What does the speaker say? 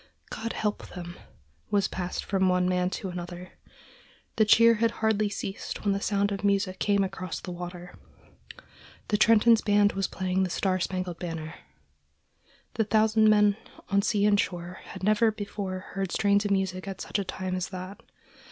"God help them!" was passed from one man to another. The cheer had hardly ceased when the sound of music came across the water. The Trenton's band was playing "The Star Spangled Banner." The thousand men on sea and shore had never before heard strains of music at such a time as that.